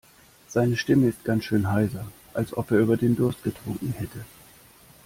Seine Stimme ist ganz schön heiser, als ob er über den Durst getrunken hätte.